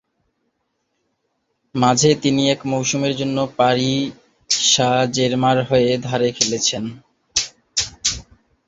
মাঝে তিনি এক মৌসুমের জন্য পারি সাঁ-জেরমাঁর হয়ে ধারে খেলেছেন।